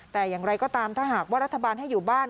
แต่อย่างไรก็ตามถ้าหากว่ารัฐบาลให้อยู่บ้าน